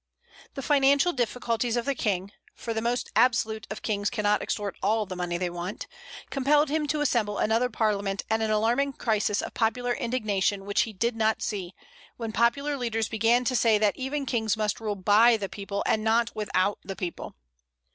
The financial difficulties of the King for the most absolute of kings cannot extort all the money they want compelled him to assemble another Parliament at an alarming crisis of popular indignation which he did not see, when popular leaders began to say that even kings must rule by the people and not without the people.